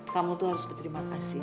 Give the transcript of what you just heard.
kamu tuh harus berterima kasih